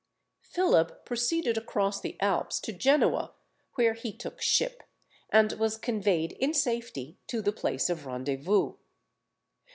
Philip proceeded across the Alps to Genoa, where he took ship, and was conveyed in safety to the place of rendezvous.